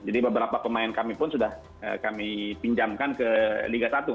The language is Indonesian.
jadi beberapa pemain kami pun sudah kami pinjamkan ke liga satu